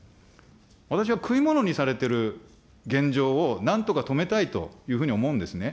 私は食いものにされてる現状をなんとか止めたいというふうに思うんですね。